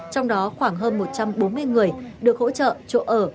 trong đó khoảng hơn một trăm bốn mươi người được hỗ trợ chỗ ở